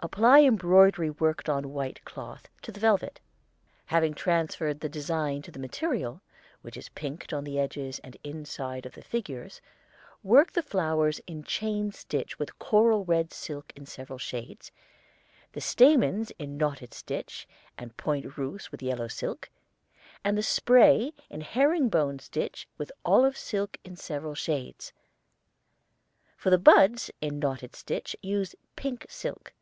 Apply embroidery worked on white cloth to the velvet. Having transferred the design to the material, which is pinked on the edges and inside of the figures, work the flowers in chain stitch with coral red silk in several shades, the stamens in knotted stitch and point Russe with yellow silk, and the spray in herring bone stitch with olive silk in several shades. For the buds in knotted stitch use pink silk.